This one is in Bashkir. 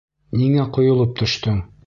Ниңә ҡойолоп төштөң?